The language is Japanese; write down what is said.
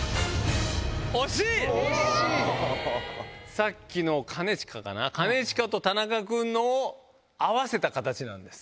さっきの兼近と田中君のを合わせた形なんです。